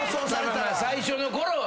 最初の頃はね。